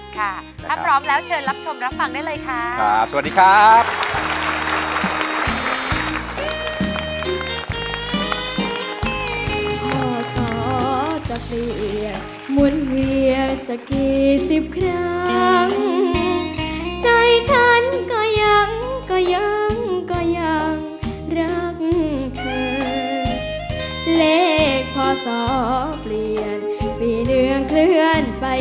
ถ้าพร้อมแล้วเชิญรับชมรับฟังได้เลยค่ะ